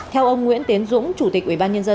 theo ông nguyễn tiến dũng chủ tịch ubnd